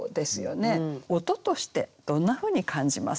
音としてどんなふうに感じますか？